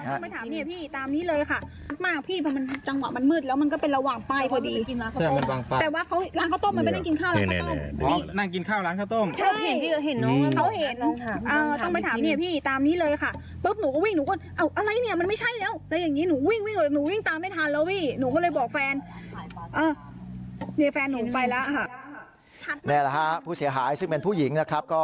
นี่แหละฮะผู้เสียหายซึ่งเป็นผู้หญิงนะครับ